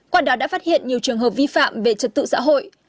quản đoàn đã phát hiện nhiều trường hợp vi phạm về trật tự xã hội